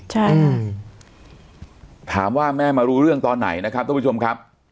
ใช่ถามว่าแม่มารู้เรื่องตอนไหนนะครับทุกผู้ชมครับ